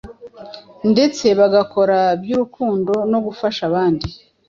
ndetse bagakora by’urukundo no gufasha abandi,